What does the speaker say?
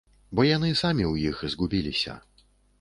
Бо яны самі ў іх згубіліся.